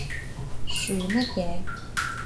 噓乜嘢？